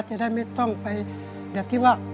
จะได้ไม่ต้องไปแบบที่ว่า